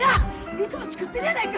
いつも作ってるやないか！